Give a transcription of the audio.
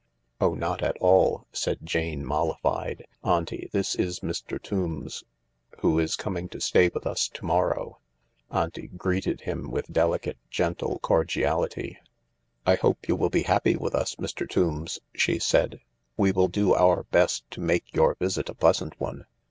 "Oh, not at all," said Jane, mollified. "Auntie, this is Mr. Tombs, who is coming to stay with us to morrow." Auntie greeted him with delicate, gentle cordiality. " I hope you will be happy with us, Mr. Tombs," she said ;" we will do our best to make your visit a pleasant one.